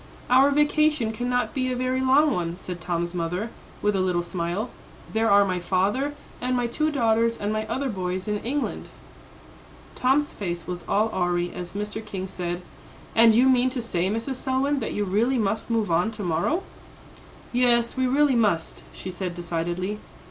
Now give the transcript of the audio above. "Our vacation cannot be a very long one," said Tom's mother, with a little smile; "there are my father and my two daughters and my other boys in England." Tom's face was all awry as Mr. King said, "And you mean to say, Mrs. Selwyn, that you really must move on to morrow?" "Yes; we really must," she said decidedly.